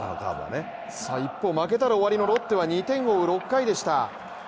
一方、負けたら終わりのロッテは２点を追う６回でした。